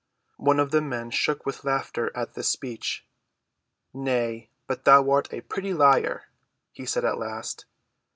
One of the men shook with laughter at this speech. "Nay, but thou art a pretty liar," he said at last.